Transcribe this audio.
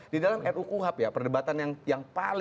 di dalam ru kuhap ya perdebatan yang paling alat itu adalah